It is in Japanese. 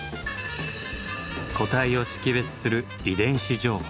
個体を識別する遺伝子情報。